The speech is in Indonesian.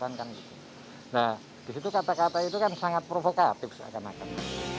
nah disitu kata kata itu kan sangat provokatif seakan akan